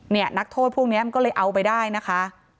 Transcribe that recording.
เนี่ยนักโทษพวกเนี้ยก็เลยเอาไปได้นะคะ